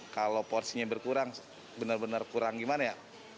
kalau porsinya berkurang benar benar kurang gimana ya